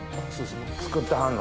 作ってはんの。